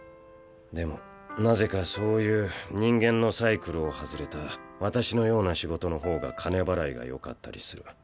でもなぜかそういう人間のサイクルを外れた私のような仕事の方が金払いがよかったりする。